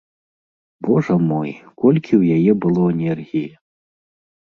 Божа мой, колькі ў яе было энергіі!